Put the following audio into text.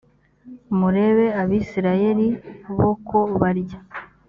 murebe abisirayeli bo ko barya